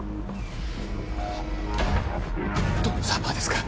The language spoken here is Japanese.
どのサーバーですか？